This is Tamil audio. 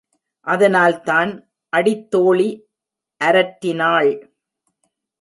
அதனால்தான் அடித்தோழி அரற்றினாள்.